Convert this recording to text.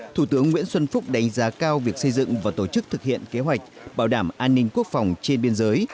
thủ tướng nguyễn xuân phúc đánh giá cao việc xây dựng và tổ chức thực hiện kế hoạch bảo đảm an ninh quốc phòng trên biên giới